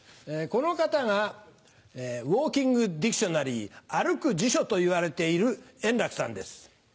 この方がウオーキングディクショナリー「歩く辞書」といわれている円楽さんです。